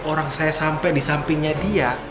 orang saya sampai di sampingnya dia